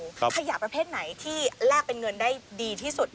ขยะประเภทไหนที่แลกเป็นเงินได้ดีที่สุด